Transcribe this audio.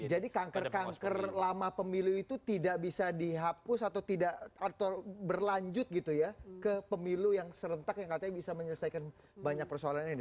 jadi kanker kanker lama pemilu itu tidak bisa dihapus atau berlanjut ke pemilu yang serentak yang katanya bisa menyelesaikan banyak persoalan ini